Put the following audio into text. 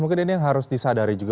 mungkin ini yang harus disadari juga